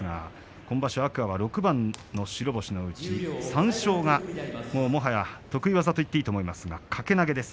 今場所、天空海は６番の白星のうち３勝が、もはや得意技と言っていいと思います掛け投げです。